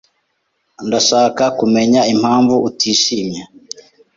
Ndashaka kumenya impamvu utishimye.